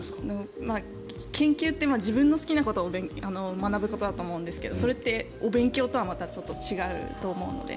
研究って自分の好きなことを学ぶことだと思うんですけどそれってお勉強とはまたちょっと違うと思うので。